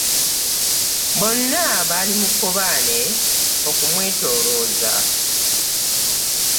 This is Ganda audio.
Bonna baali mu kkobaane okumwetolooza